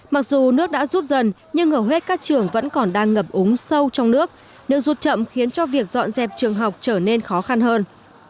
mặc dù nước đã rút dần nhưng hầu hết các trường vẫn còn đang ngập úng sâu trong nước nước rút chậm khiến cho việc dọn dẹp trường học trở nên khó khăn hơn